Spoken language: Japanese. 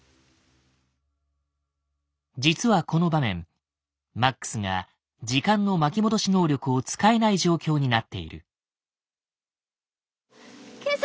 実はこの場面マックスが時間の巻き戻し能力を使えない状況になっている。